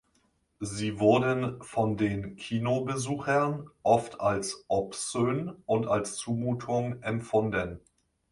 Sie wurden von den Kinobesuchern oft als obszön und als Zumutung empfunden.